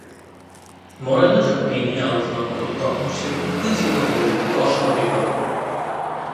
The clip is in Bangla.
মোরেলা যখন এ নিয়ে আলোচনা করত তখন সে উত্তেজিত হয়ে উঠত অস্বাভাবিক রকমে।